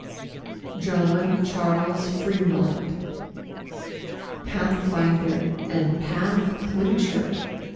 JOHN CHARLES FRÉMONT Pathfinder and Path clincher!